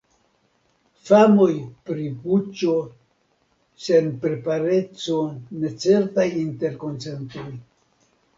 Famoj pri puĉo, senprepareco, necertaj interkonsentoj.